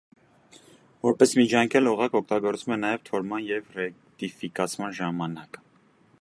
Որպես միջանկյալ օղակ, օգտագործվում է նաև թորման և ռեկտիֆիկացման ժամանակ։